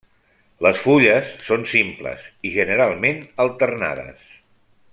Les fulles són simples i generalment alternades.